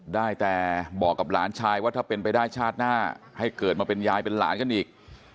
ได้แต่บอกกับหลานชายว่าถ้าเป็นไปได้ชาติหน้าให้เกิดมาเป็นยายเป็นหลานกันอีก